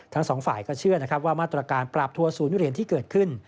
ทั้งสองฝ่ายก็เชื่อนะครับว่ามาตรการปราบทัวร์ศูนย์เหรียญที่เกิดขึ้น